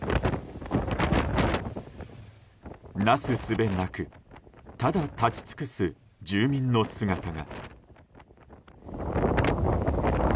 なすすべなくただ立ち尽くす住民の姿が。